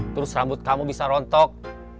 terus rambut kamu bisa rontok